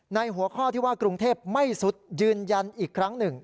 หัวข้อที่ว่ากรุงเทพไม่สุดยืนยันอีกครั้งหนึ่ง